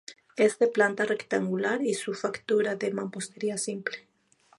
Es de planta rectangular y su factura de mampostería simple.